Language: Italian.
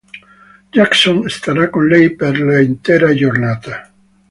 Jackson starà con lei per l'intera giornata.